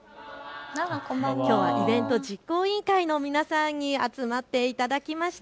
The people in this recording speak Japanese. きょうはイベント実行委員会の皆さんに集まっていただきました。